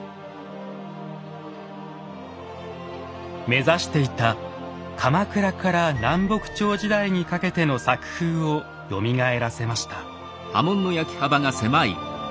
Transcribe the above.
目指していた鎌倉から南北朝時代にかけての作風をよみがえらせました。